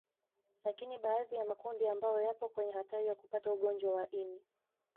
Lakini baadhi ya makundi ambayo yapo kwenye hatari ya kupata ugonjwa wa ini